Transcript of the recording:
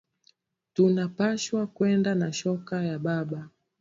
Tuna pashwa kwenda na shoka ya baba